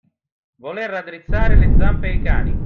Voler raddrizzare le zampe ai cani.